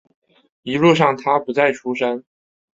一路上他不再出声